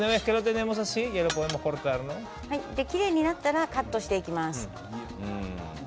きれいになったらカットしていきます。